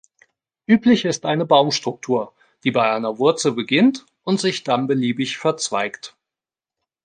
Üblich ist eine Baumstruktur, die bei einer Wurzel beginnt und sich dann beliebig verzweigt.